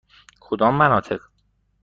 کدام مناطق؟